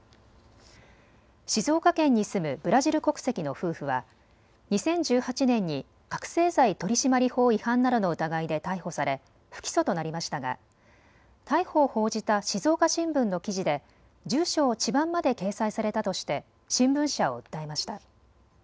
静岡県に住むブラジル国籍の夫婦は２０１８年に覚醒剤取締法違反などの疑いで逮捕され不起訴となりましたが逮捕を報じた静岡新聞の記事で住所を地番まで掲載されたとして新聞社を訴えました。